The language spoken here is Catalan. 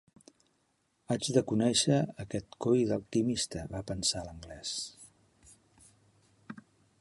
Haig de conèixer aquest coi d'alquimista, va pensar l'Anglès.